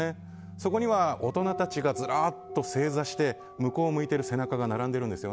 そこには大人たちがずらっと正座して向こうを向いてる背中が並んでるんです。